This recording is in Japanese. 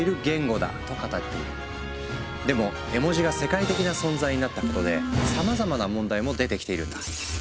でも絵文字が世界的な存在になったことでさまざまな問題も出てきているんだ。